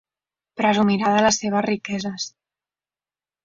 Presumirà de les seves riqueses.